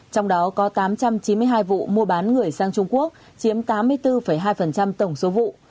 trong đó có tám trăm chín mươi hai vụ mua bán người sang trung quốc chiếm tám mươi bốn hai tổng số vụ